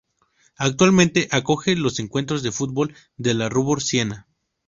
Actualmente acoge los encuentros de fútbol de la Robur Siena.